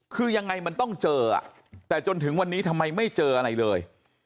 คือยังไงมันต้องเจอแต่จนถึงวันนี้ทำไมไม่เจออะไรเลย